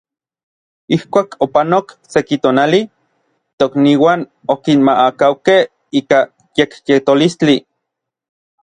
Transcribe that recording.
Ijkuak opanok seki tonali, tokniuan okinmaakaukej ika yekyetolistli.